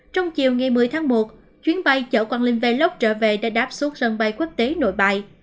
trong chiều ngày một mươi tháng một chuyến bay chở quang linh vlog trở về để đáp suốt sân bay quốc tế nội bài